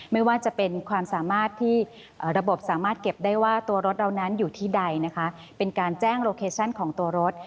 ไม่ว่าจะเป็นความสามารถที่ระบบสามารถเก็บได้ว่าตัวรถเรานั้นอยู่ที่ใดนะคะเป็นการแจ้งโลเคชั่นของตัวรถ